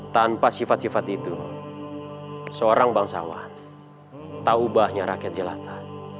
tanpa sifat sifat itu seorang bangsawan taubahnya rakyat jelata